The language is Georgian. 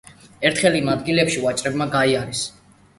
ერთხელ იმ ადგილებში ვაჭრებმა გაიარეს.